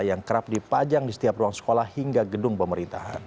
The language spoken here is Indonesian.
yang kerap dipajang di setiap ruang sekolah hingga gedung pemerintahan